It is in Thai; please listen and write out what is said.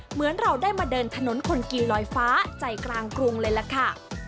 เหมือนเราได้มาเดินถนนคนกินลอยฟ้าใจกลางกรุงเลยล่ะค่ะ